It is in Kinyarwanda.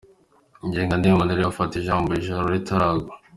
Ngendahimana rero fata ijambo ijoro ritaragwa